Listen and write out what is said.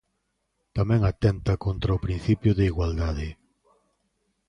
Tamén atenta contra o principio de igualdade.